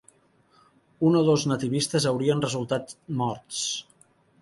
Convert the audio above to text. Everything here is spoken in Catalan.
Un o dos nativistes haurien resultat morts.